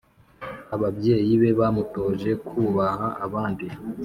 ababyeyi be bamutoje kubaha abandi